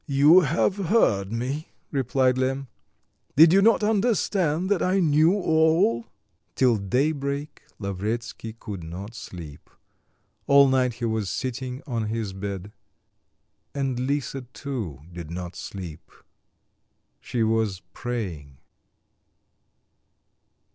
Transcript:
"You have heard me," replied Lemm, "did you not understand that I knew all?" Till daybreak Lavretsky could not sleep, all night he was sitting on his bed. And Lisa too did not sleep; she was praying.